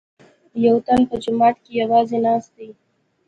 یوتن په جومات کې یوازې ناست دی.